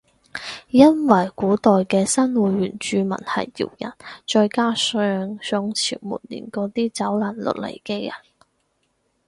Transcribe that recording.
因為古代嘅新會原住民係瑤人再加上宋朝末年嗰啲走難落嚟嘅人